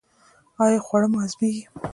ایا خواړه مو هضمیږي؟